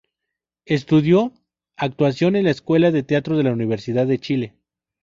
Estudió actuación en la Escuela de Teatro de la Universidad de Chile.